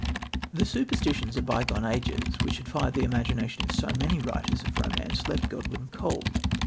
" The superstitions of bygone ages, which had fired the imagination of so many writers of romance, left Godwin cold.